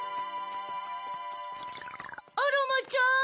アロマちゃん。